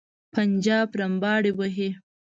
پنجاب رمباړې وهي.